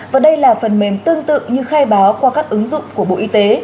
và đây là phần mềm tương tự như khai báo qua các ứng dụng của bộ y tế